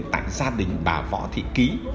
tại gia đình bà võ thị ký